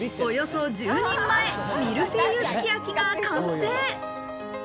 およそ１０人前、ミルフィーユすき焼きが完成。